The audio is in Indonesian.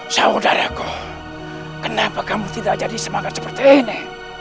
saudaraku kenapa kamu tidak jadi semangat seperti ini